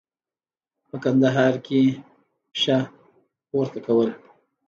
په کندهار کې پشه پورته کول.